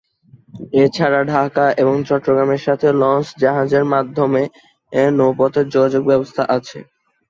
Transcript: এছাড়া ঢাকা এবং চট্টগ্রামের সাথে লঞ্চ, জাহাজের মাধ্যমে নৌপথে যোগাযোগ ব্যবস্থা আছে।